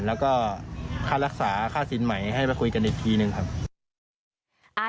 แล้วก็ค่ารักษาค่าสินใหม่ให้มาคุยกันอีกทีหนึ่งครับ